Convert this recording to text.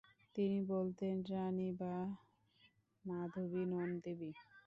তিনি বলতেন, রাণী তো মানবী নন, দেবী।